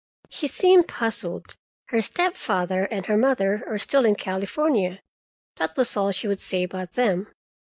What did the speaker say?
She seemed puzzled. Her stepfather and her mother were still in California—that was all she would say about them.